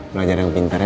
belajar yang pintar ya